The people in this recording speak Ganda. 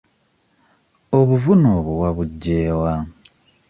Obuvune obwo wabugye wa?